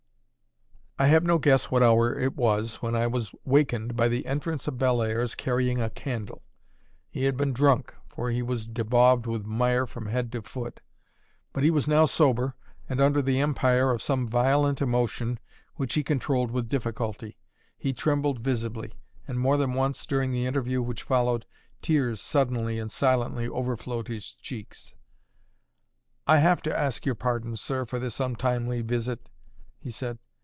I have no guess what hour it was, when I was wakened by the entrance of Bellairs carrying a candle. He had been drunk, for he was bedaubed with mire from head to foot; but he was now sober and under the empire of some violent emotion which he controlled with difficulty. He trembled visibly; and more than once, during the interview which followed, tears suddenly and silently overflowed his cheeks. "I have to ask your pardon, sir, for this untimely visit," he said.